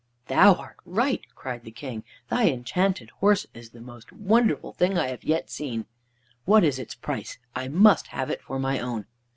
"Thou art right," cried the King; "thy enchanted horse is the most wonderful thing I have yet seen. What is its price? I must have it for my own."